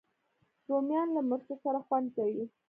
رومیان له مرچو سره خوند کوي